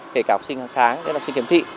thể cả học sinh sáng học sinh kiếm thị